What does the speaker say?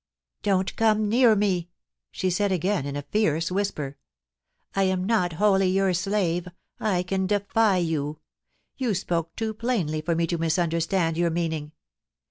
' Don't come near me !' she said again in a fierce whisper. ' I am not wholly your slave. I can defy you ! You spoke too plainly for me to misunderstand your meaning.